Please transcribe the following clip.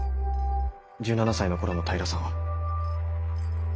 １７才の頃の平さんは。